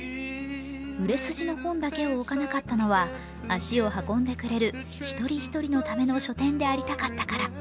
売れ筋の本だけを置かなかったのは足を運んでくれる一人一人の書店でありたかったから。